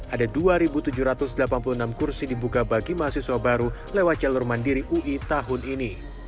ada dua tujuh ratus delapan puluh enam kursi dibuka bagi mahasiswa baru lewat jalur mandiri ui tahun ini